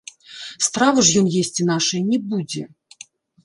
Стравы ж ён есці нашае не будзе.